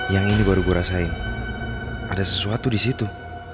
yang ini baru gua rasain ada sesuatu disitu